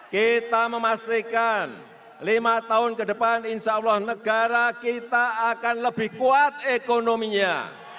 kita memastikan lima tahun ke depan insya allah negara kita akan lebih kuat ekonominya